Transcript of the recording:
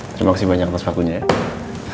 terima kasih banyak atas pakunya ya